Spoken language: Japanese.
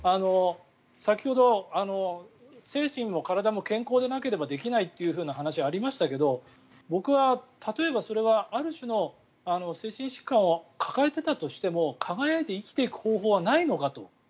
先ほど、精神も体も健康でなければできないという話がありましたが僕は例えば、それはある種の精神疾患を抱えていたとしても輝いて生きていく方法はないのかと。